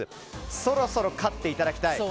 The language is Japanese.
そろそろ勝っていただきたい。